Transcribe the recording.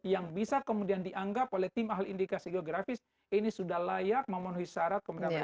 yang bisa kemudian dianggap oleh tim ahli indikasi geografis ini sudah layak memenuhi syarat kemudian